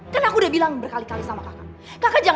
dokter ke rumah ya sekarang